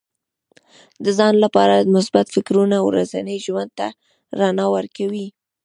د ځان لپاره مثبت فکرونه ورځني ژوند ته رڼا ورکوي.